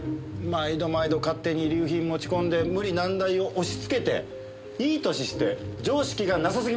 毎度毎度勝手に遺留品持ち込んで無理難題を押し付けていい歳して常識がなさすぎます！